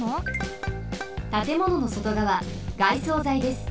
たてもののそとがわ外装材です。